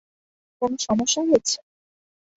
কোন সমস্যা হয়েছে?